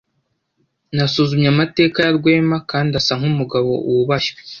Nasuzumye amateka ya Rwema kandi asa nkumugabo wubashywe.